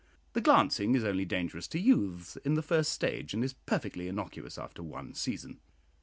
The glancing is only dangerous to youths in the first stage, and is perfectly innocuous after one season.